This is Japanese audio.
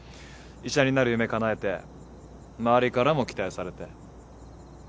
医者になる夢かなえて周りからも期待されて。